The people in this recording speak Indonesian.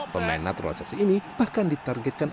pemain naturalisasi ini bahkan ditargetkan